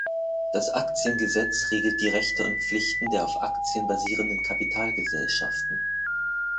Das Aktiengesetz regelt die Rechte und Pflichten der auf Aktien basierenden Kapitalgesellschaften.